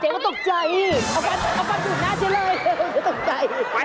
เจ๊ก็ตกใจแล้วล่ะ